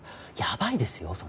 やばいですよ！